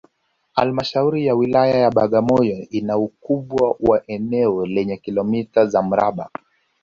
Halmashauri ya Wilaya ya Bagamoyo ina ukubwa wa eneo lenye kilometa za mraba